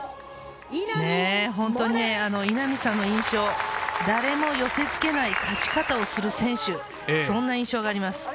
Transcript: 本当に稲見さんの印象は誰も寄せ付けない勝ち方をする選手、そんな印象があります。